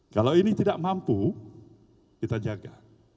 kalau ini tidak mampu kita jaga